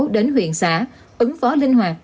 đến huyện xã ứng phó linh hoạt